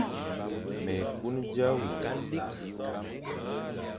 Mé kun dia wule,